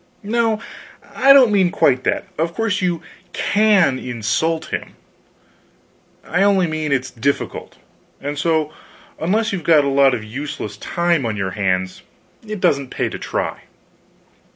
No, I don't mean quite that; of course you can insult him, I only mean it's difficult; and so, unless you've got a lot of useless time on your hands it doesn't pay to try.